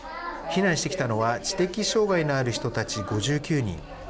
避難してきたのは知的障害のある人たち５９人。